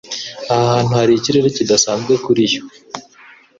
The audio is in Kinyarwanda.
Aha hantu hari ikirere kidasanzwe kuri yo.